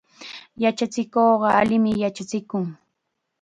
Yachachikuqqa allim yachachikun.